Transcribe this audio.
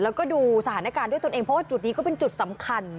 แล้วก็ดูสถานการณ์ด้วยตนเองเพราะว่าจุดนี้ก็เป็นจุดสำคัญ